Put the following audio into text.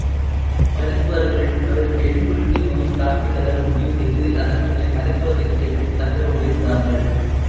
மருத்துவர்கள் அவருக்கு எலும்புருக்கி நோய் தாக்கியுள்ளதாக முடிவு செய்து, அதற்குரிய மருத்துவ சிகிச்சைகளைத் தந்து கொண்டிருந்தார்கள்.